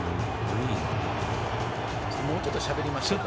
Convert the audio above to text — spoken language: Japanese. もうちょっとしゃべりましょうか。